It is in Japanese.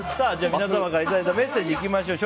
皆様からいただいたメッセージいきましょう。